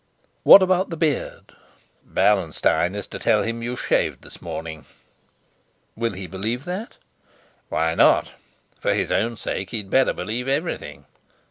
"What about the beard?" "Bernenstein is to tell him you've shaved this morning." "Will he believe that?" "Why not? For his own sake he'd better believe everything."